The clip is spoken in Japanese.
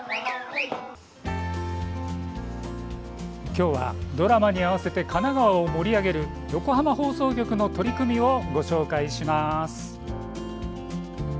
今日は、ドラマに合わせて神奈川を盛り上げる横浜放送局の取り組みをご紹介します。